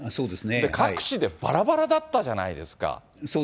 各紙でばらばらだったじゃないですか。